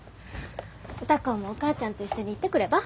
歌子もお母ちゃんと一緒に行ってくれば？